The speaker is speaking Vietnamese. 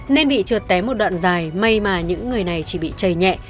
nên bị trượt té một đoạn dài may mà những người này chỉ bị chảy nhẹ